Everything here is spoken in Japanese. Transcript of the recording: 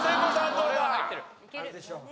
どうだ？